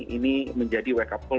ini menjadi wake up call